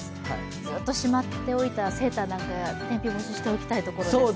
ずっとしまっておいたセーターなんかは天日干ししたいですね。